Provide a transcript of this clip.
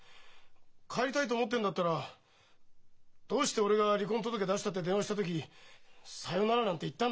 帰りたいと思ってんだったらどうして俺が「離婚届出した」って電話した時「さよなら」なんて言ったんだよ！？